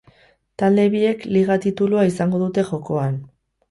Talde biek liga titulua izango dute jokoan.